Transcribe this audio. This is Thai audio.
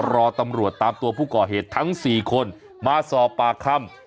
รอตำรวจตามตัวผู้ก่อเหตุทั้ง๔คนมาสอบปากคำ